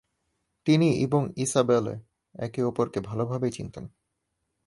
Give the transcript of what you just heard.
তিনি এবং ইসাবেলে একে অপরকে ভালোভাবেই চিনতেন।